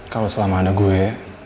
kalo selama ada gue